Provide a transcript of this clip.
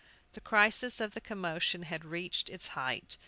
The crisis of the commotion had reached its height.